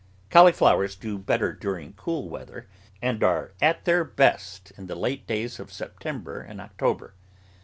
Cauliflowers do better during cool weather, and are at their best in the late days of September and October.